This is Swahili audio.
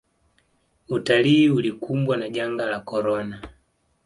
utalii ulikumbwa na janga la korona